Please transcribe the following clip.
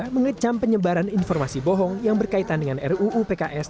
mengecam penyebaran informasi bohong yang berkaitan dengan ruupks